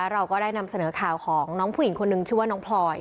เราก็ได้นำเสนอข่าวของน้องผู้หญิงคนนึงชื่อว่าน้องพลอย